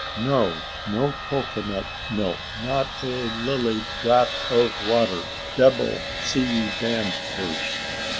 No, no cocoa nut milk not a lilly drap of water; debil see you damned first.